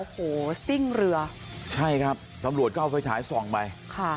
โอ้โหซิ่งเรือใช่ครับตำรวจก็เอาไฟฉายส่องไปค่ะ